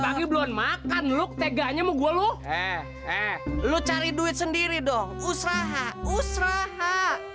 lagi belum makan lo teganya mau gue lu eh eh lu cari duit sendiri dong usaha usaha